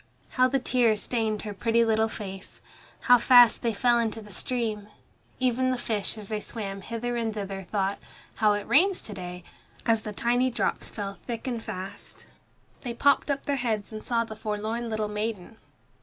How the tears stained her pretty little face! How fast they fell into the stream! Even the fish as they swam hither and thither thought, "How it rains to day," as the tiny drops fell thick and fast. They popped up their heads and saw the forlorn little maiden.